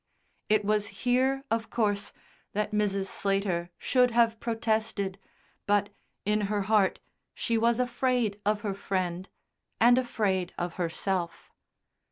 It was here, of course, that Mrs. Slater should have protested, but, in her heart, she was afraid of her friend, and afraid of herself.